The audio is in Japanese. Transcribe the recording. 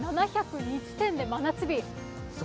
７０２地点で真夏日。